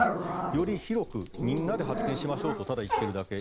より広くみんなで発展しましょうとただ言っているだけ。